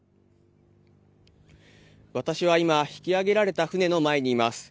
私は今引き上げられた船の前にいます。